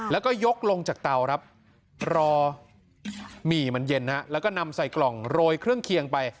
แล้วก็ยกลงจากเตาครับรอหมี่มันเย็นแล้วก็นำใส่กล่องโรยเครื่องเคียงไป